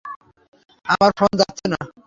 আমার ফোন যাচ্ছে না।